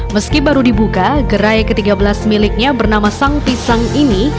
meski baru dibuka gerai ke tiga belas miliknya bernama sang pisang ini